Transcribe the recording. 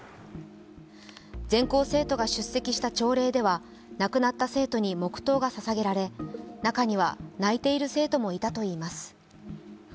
全校生徒が出席した朝礼では亡くなった生徒に黙とうが捧げられて、中には泣いている生徒もいたといいます。